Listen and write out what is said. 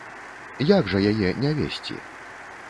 Як жа яе не весці?